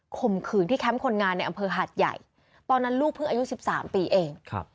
ข่มขืนที่แคมป์คนงานในอำเภอหาดใหญ่ตอนนั้นลูกเพิ่งอายุ๑๓ปีเอง